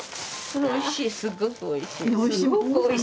すごいおいしい。